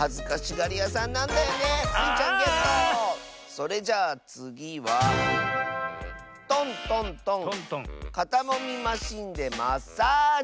それじゃあつぎは「とんとんとんかたもみマシンでマッサージ」。